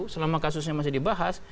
selama kasusnya masih dibahas